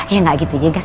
ya nggak gitu juga